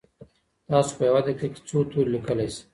تاسو په یوه دقیقه کي څو توري لیکلی سئ؟